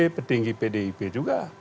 petinggi pdip juga